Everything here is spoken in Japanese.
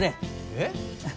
えっ？